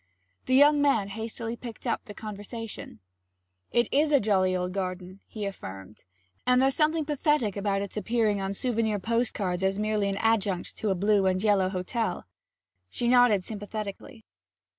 The young man hastily picked up the conversation. 'It is a jolly old garden,' he affirmed. 'And there's something pathetic about its appearing on souvenir post cards as a mere adjunct to a blue and yellow hotel.' She nodded sympathetically.